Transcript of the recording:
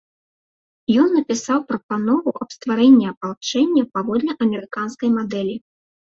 Ён напісаў прапанову аб стварэнні апалчэння паводле амерыканскай мадэлі.